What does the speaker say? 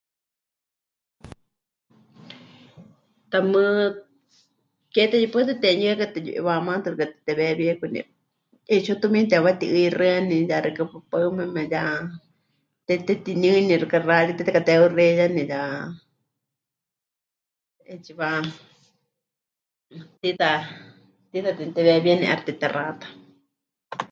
Tamɨ́ ke teyupaɨtɨ temɨyɨaka teyu'iwamátɨ xɨka teteweewíekuni, 'etsiwa tumiini temɨwati'ɨixɨ́ani ya xeikɨ́a papaɨmeme, ya temɨtetiniɨni xɨka xaaríte tekateheuxeiyani, ya 'eetsiwa tiita temɨteweewíeni 'aixɨ temɨtexata.